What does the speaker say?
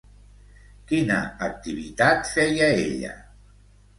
Quina activitat feia ella?